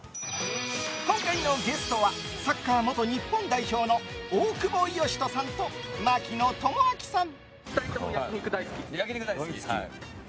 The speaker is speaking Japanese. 今回のゲストはサッカー元日本代表の大久保嘉人さんと槙野智章さん。